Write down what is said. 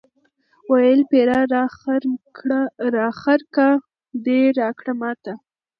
ویل پیره دا خرقه دي راکړه ماته